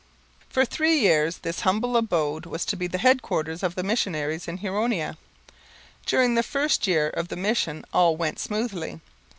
For three years this humble abode was to be the headquarters of the missionaries in Huronia. During the first year of the mission all went smoothly.